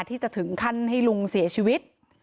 ที่จะถึงขั้นให้ลุงเสียชีวิต